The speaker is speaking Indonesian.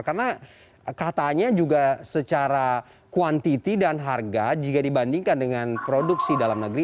karena katanya juga secara kuantiti dan harga jika dibandingkan dengan produksi dalam negeri